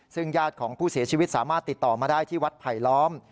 ซึ่งญาติของผู้เสียชีวิตสามารถติดต่อมาได้ที่วัดไผลล้อม